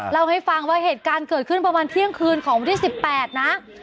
เล่าให้ฟังว่าเหตุการณ์เกิดขึ้นประมาณเที่ยงคืนของวันที่๑๘นะ